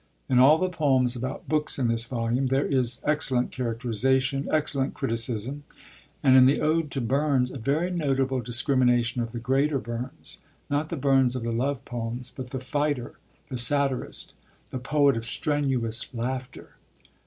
In all the poems about books in this volume there is excellent characterisation, excellent criticism, and in the ode to Burns a very notable discrimination of the greater Burns, not the Burns of the love poems but the fighter, the satirist, the poet of strenuous laughter.